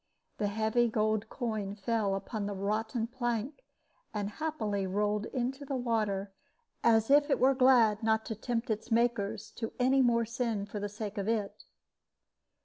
The heavy gold coin fell upon the rotten plank, and happily rolled into the water, as if it were glad not to tempt its makers to any more sin for the sake of it.